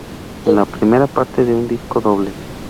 Es la primera parte de un disco doble.